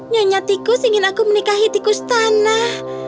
nyonya tikus ingin aku menikahi tikus tanah